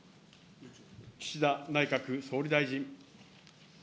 岸田内閣総理大臣。